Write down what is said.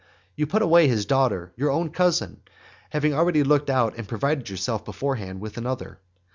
You put away his daughter, your own cousin, having already looked out and provided yourself beforehand with another.